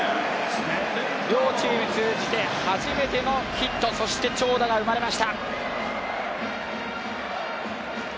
両チーム通じて初めてのヒットそして長打が生まれました。